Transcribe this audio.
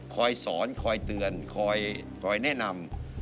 คอยสอนคอยเตือนคอยแนะนำ